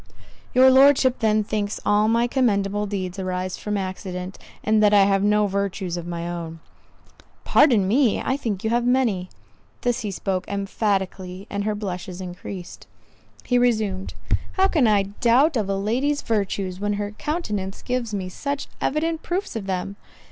"Your Lordship then thinks all my commendable deeds arise from accident, and that I have no virtues of my own." "Pardon me, I think you have many." This he spoke emphatically; and her blushes increased. He resumed—"How can I doubt of a lady's virtues, when her countenance gives me such evident proofs of them?